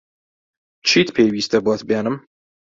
چیت پێویستە بۆت بێنم؟